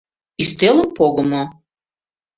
Ӱстелым погымо.